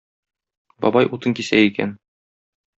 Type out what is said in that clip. Бабай утын кисә икән.